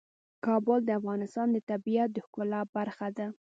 کابل د افغانستان د طبیعت د ښکلا برخه ده.